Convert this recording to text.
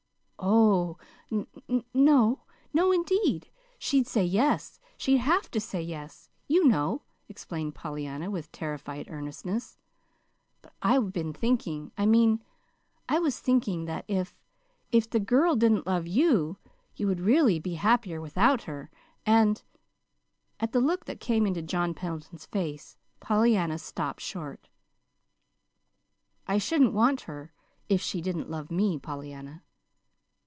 "Oh, n no no, indeed. She'd say yes she'd HAVE to say yes, you know," explained Pollyanna, with terrified earnestness. "But I've been thinking I mean, I was thinking that if if the girl didn't love you, you really would be happier without her; and " At the look that came into John Pendleton's face, Pollyanna stopped short. "I shouldn't want her, if she didn't love me, Pollyanna."